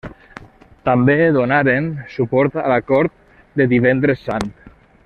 També donaren suport a l'Acord de Divendres Sant.